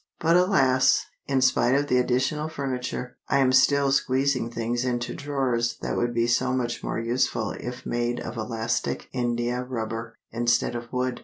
But alas! in spite of the additional furniture, I am still squeezing things into drawers that would be so much more useful if made of elastic india rubber instead of wood.